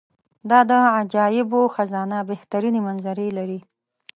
دا د عجایبو خزانه بهترینې منظرې لري.